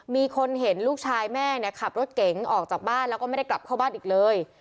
มีคนเห็นลูกชายแม่เนี่ยขับรถเก๋งออกจากบ้านแล้วก็ไม่ได้กลับเข้าบ้านอีกเลย